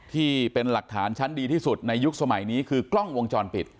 ที่เป็นหลักฐานชั้นดีที่สุดในยุคสมัยนี้คือกล้องวงจรปิด